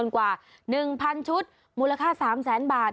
กว่า๑๐๐๐ชุดมูลค่า๓๐๐๐๐๐บาท